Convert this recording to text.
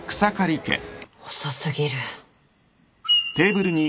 遅過ぎる。